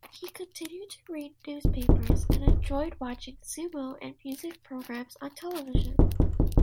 He continued to read newspapers, and enjoyed watching sumo and music programs on television.